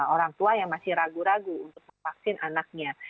orang tua yang masih ragu ragu untuk memvaksin anaknya